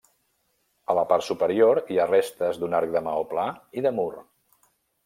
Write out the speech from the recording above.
A la part superior hi ha restes d'un arc de maó pla i de mur.